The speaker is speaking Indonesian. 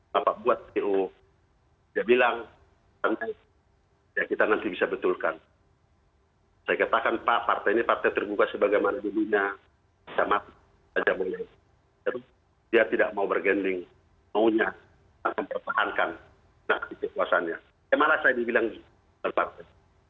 saya bilang ya kita nanti bisa betulkan saya katakan pak partai ini partai terbuka sebagaimana dirinya saya maaf saya jauh dia tidak mau berganding maunya akan memperbahankan nah itu puasannya saya malah saya bilang pak partai